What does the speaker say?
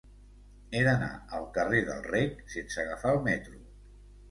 He d'anar al carrer del Rec sense agafar el metro.